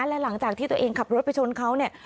และหลังจากที่ตัวเองขับรถไปชนเขาเนี่ย